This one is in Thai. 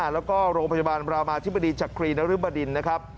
แล้วก็โรงพยาบาลรามาธิบดีจักรีนริบดินนะครับ